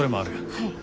はい。